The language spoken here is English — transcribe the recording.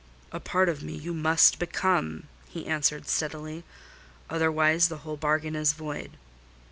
"A part of me you must become," he answered steadily; "otherwise the whole bargain is void.